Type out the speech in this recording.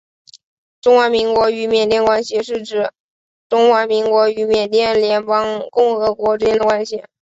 中华民国与缅甸关系是指中华民国与缅甸联邦共和国之间的关系。